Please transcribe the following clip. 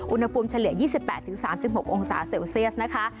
เฉลี่ย๒๘๓๖องศาเซลเซียสนะคะ